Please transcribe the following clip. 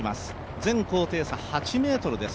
全高低差、８ｍです。